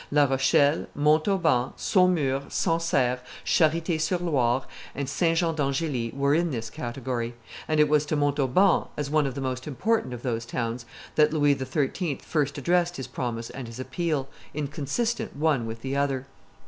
La Rochelle, Montauban, Saumur, Sancerre, Charite sur Loire, and St. Jean d'Angely were in this category; and it was to Montauban, as one of the most important of those towns, that Louis XIII. first addressed his promise and his appeal, inconsistent one with the other.